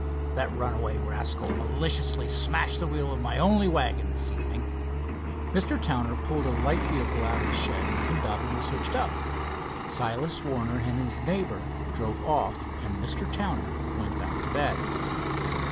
"That runaway rascal maliciously smashed the wheel of my only wagon this evening." Mr. Towner pulled a light vehicle out of a shed, and Dobbin was hitched up. Silas Warner and his neighbor drove off, and Mr. Towner went back to bed.